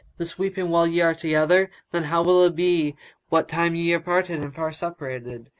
this weeping while ye are yet together: then how will it be what time ye are parted and far separated?"